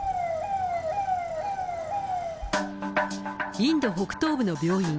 インド北東部の病院。